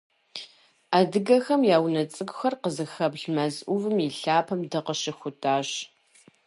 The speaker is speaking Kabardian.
Адыгэхэм я унэ цӀыкӀухэр къызыхэплъ мэз Ӏувым и лъапэм дыкъыщыхутащ.